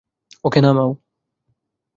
ওকে, নামাও।